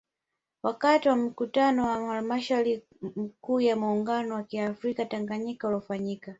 Wakati wa Mkutano wa Halmashauri Kuu ya muungano wa kiafrika Tanganyika uliofanyika